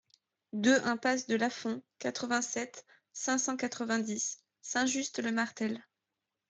deux impasse de Lasfond, quatre-vingt-sept, cinq cent quatre-vingt-dix, Saint-Just-le-Martel